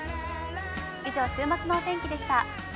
以上、週末のお天気でした。